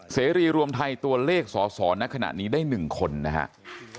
เสรีรวมไทยตัวเลขสอสอในขณะนี้ได้๑คนนะครับ